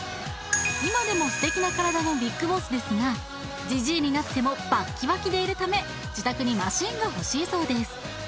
今でも素敵な体のビッグボスですがジジイになってもバッキバキでいるため自宅にマシンが欲しいそうです